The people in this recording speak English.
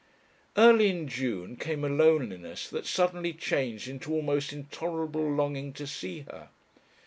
Early in June came a loneliness that suddenly changed into almost intolerable longing to see her.